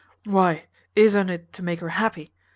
Why, is unt it to make her happy?